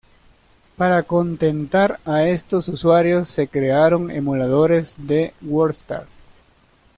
Para contentar a estos usuarios, se crearon emuladores de WordStar.